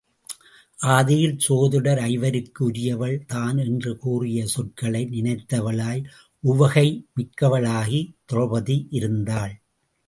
ஆதியில் சோதிடர் ஐவருக்கும் உரியவள் தான் என்று கூறிய சொற்களை நினைத்தவளாய் உவகை மிக்கவளாக திரெளபதி இருந்தாள்.